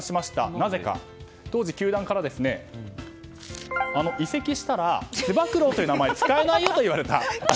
なぜかというと、当時球団から移籍したらつば九郎という名前は使えないよと言われた。